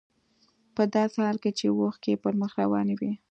په داسې حال کې چې اوښکې يې پر مخ روانې وې.